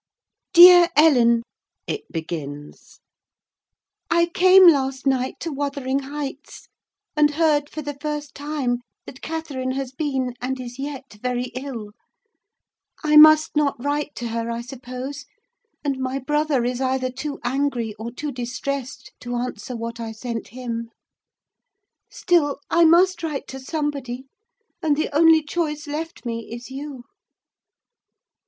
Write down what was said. DEAR ELLEN, it begins,—I came last night to Wuthering Heights, and heard, for the first time, that Catherine has been, and is yet, very ill. I must not write to her, I suppose, and my brother is either too angry or too distressed to answer what I sent him. Still, I must write to somebody, and the only choice left me is you.